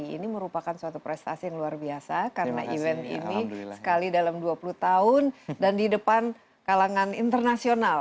ini merupakan suatu prestasi yang luar biasa karena event ini sekali dalam dua puluh tahun dan di depan kalangan internasional